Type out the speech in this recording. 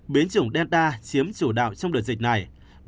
biến chủng denda chiếm chủ đạo trong đợt dịch này